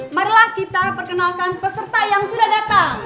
marilah kita perkenalkan peserta yang sudah datang